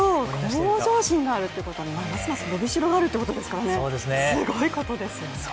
向上心があるということはますますのびしろがあるということですよね、すごいことですね。